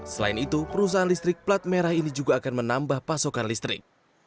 selain itu perusahaan listrik plat merah ini juga akan menambah pasokan listrik